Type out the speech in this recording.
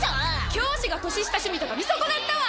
教師が年下趣味とか見損なったわ！